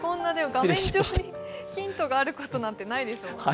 画面上にヒントがあることなんてないですもんね。